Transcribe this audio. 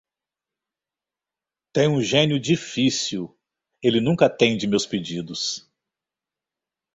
Tenho um gênio difícil: ele nunca atende meus pedidos.